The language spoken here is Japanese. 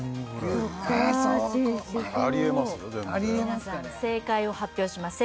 皆さん正解を発表します